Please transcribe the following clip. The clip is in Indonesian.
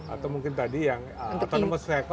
atau mungkin tadi yang autonomous vehicle